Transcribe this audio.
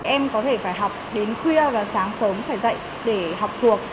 em có thể phải học đến khuya và sáng sớm phải dạy để học thuộc